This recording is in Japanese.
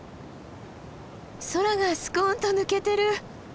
空がスコンと抜けてる！